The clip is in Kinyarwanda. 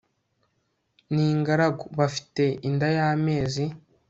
ni ingaragu ubu afite inda y amezi